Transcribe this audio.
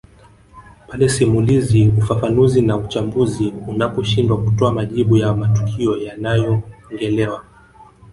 Pale simulizi ufafanuzi na uchambuzi unaposhindwa kutoa majibu ya matukio yanayoongelewa